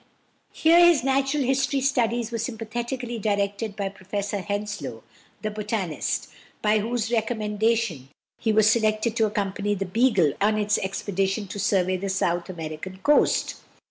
Here his natural history studies were sympathetically directed by Professor Henslow, the botanist, by whose recommendation he was selected to accompany the Beagle on its expedition to survey the South American coast.